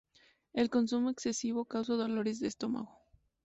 El consumo excesivo causa dolores de estómago.